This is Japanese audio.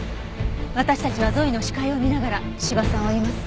私たちはゾイの視界を見ながら斯波さんを追います。